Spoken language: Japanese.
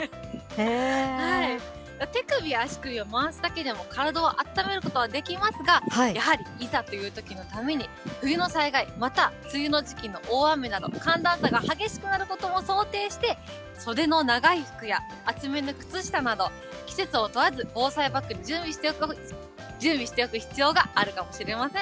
手首、足首を回すだけでも体をあっためることはできますが、やはりいざというときのために、冬の災害、また、梅雨の時期の大雨など、寒暖差が激しくなることも想定して、袖の長い服や厚めの靴下など、季節を問わず、防災バッグに準備しておく必要があるかもしれません。